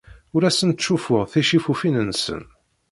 Ur asen-ttcuffuɣ ticifufin-nsen.